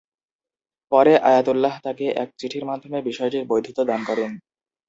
পরে আয়াতুল্লাহ তাকে এক চিঠির মাধ্যমে বিষয়টির বৈধতা দান করেন।